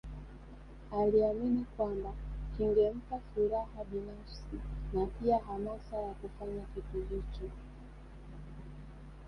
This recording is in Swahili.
Aliamini kwamba kingempa furaha binafsi na pia hamasa ya kukifanya kitu hicho